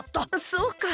そうか！